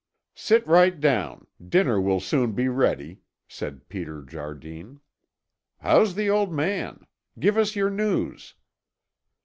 "Sit right down. Dinner will soon be ready," said Peter Jardine. "How's the old man? Give us your news."